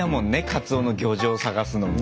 カツオの漁場探すのも。